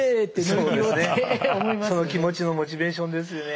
その気持ちのモチベーションですね。